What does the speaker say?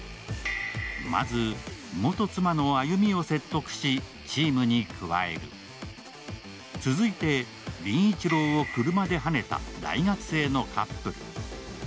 まず元妻の亜夕美を説得し、チームに加える、続いて、凛一郎を車ではねた大学生のカップル。